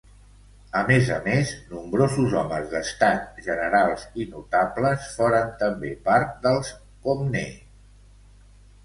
A més a més nombrosos homes d'estat, generals i notables foren també part dels Comnè.